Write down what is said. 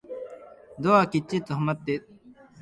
ドアはきっちりと閉まっていて、誰も出てきそうもなかった